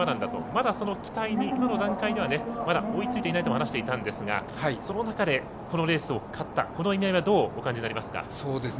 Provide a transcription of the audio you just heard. まだ、その期待に今の段階ではまだ追いついていないとも話していたんですがその中で、このレースを勝ったその意味合いはどういうふうに感じますか？